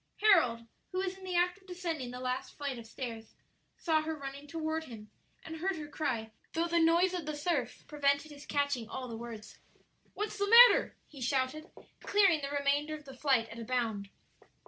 Harold, who was in the act of descending the last flight of stairs, saw her running toward him, and heard her cry, though the noise of the surf prevented his catching all the words. "What's the matter?" he shouted, clearing the remainder of the flight at a bound.